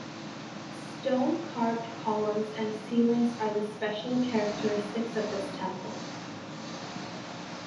Stone carved columns and ceilings are the special characteristics of this temple.